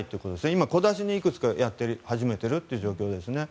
今、小出しにいくつかやり始めている状況ですね。